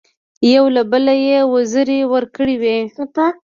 یو له بله یې وزرې ورکړې وې.